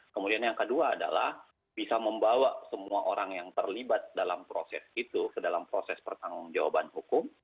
kemudian yang kedua adalah bisa membawa semua orang yang terlibat dalam proses itu ke dalam proses pertanggung jawaban hukum